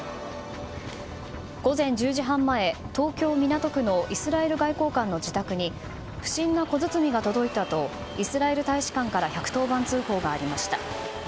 午前１０時半前、東京・港区のイスラエル外交官の自宅に不審な小包が届いたとイスラエル大使館から１１０番通報がありました。